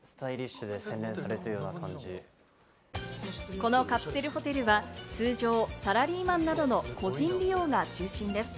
このカプセルホテルは通常、サラリーマンなどの個人利用が中心です。